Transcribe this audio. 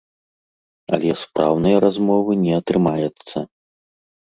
Але спраўнай размовы не атрымаецца.